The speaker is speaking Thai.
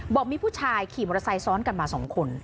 บอกมีผู้ชายขี่มอเตอร์ไซค์ซ้อนกันมา๒คน